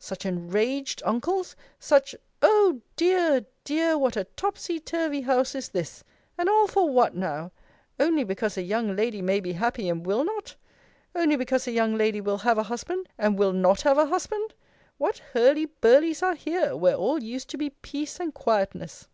such enraged uncles! such O dear! dear! what a topsy turvy house is this! And all for what, trow? only because a young lady may be happy, and will not? only because a young lady will have a husband, and will not have a husband? What hurlyburlies are here, where all used to be peace and quietness!